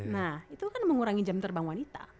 nah itu kan mengurangi jam terbang wanita